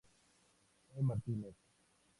I Martínez".